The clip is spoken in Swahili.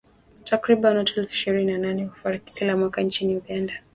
Takribani watu elfu ishirini na nane hufariki kila mwaka nchini Uganda